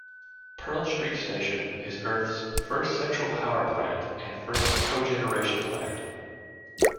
Pearl Street Station is Earth's first central power plant, and first cogeneration plant.